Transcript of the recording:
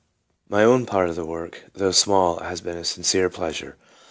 My own part of the work, though small, has been a sincere pleasure.